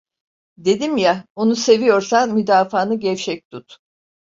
Dedim ya, onu seviyorsan müdafaanı gevşek tut.